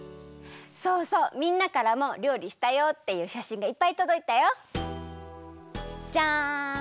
そうそうみんなからもりょうりしたよっていうしゃしんがいっぱいとどいたよ。じゃん！